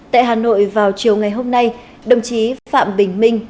tại hà nội vào chiều ngày hôm nay đồng chí phạm bình minh